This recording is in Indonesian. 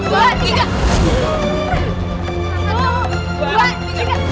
satu dua tiga